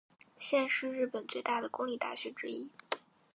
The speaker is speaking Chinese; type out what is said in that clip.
现是日本最大的公立大学之一。